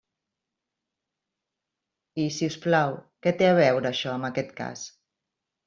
I, si us plau, ¿què té a veure això amb aquest cas?